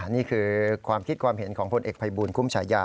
นี่คือความคิดความเห็นของพลเอกภัยบูลคุ้มฉายา